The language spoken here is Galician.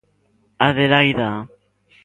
Adelaida.